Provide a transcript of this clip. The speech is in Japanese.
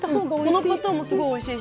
このパターンもすごいおいしい。